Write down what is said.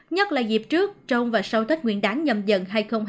nhất là dịp trước trong và sau tết nguyên đáng nhầm dần hai nghìn hai mươi bốn